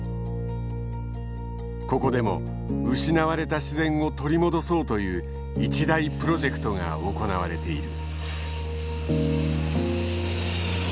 ここでも失われた自然を取り戻そうという一大プロジェクトが行われている。